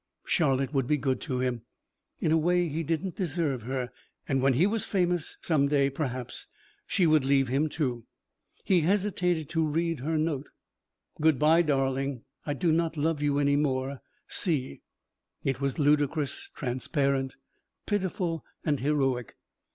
Charlotte would be good to him. In a way, he didn't deserve her. And when he was famous, some day, perhaps she would leave him, too. He hesitated to read her note. "Good bye, darling, I do not love you any more. C." It was ludicrous, transparent, pitiful, and heroic.